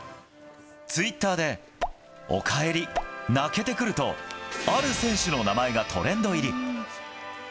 ツイッターで、おかえり、泣けてくると、ある選手の名前がトレンド入り。